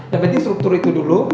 yang penting struktur itu dulu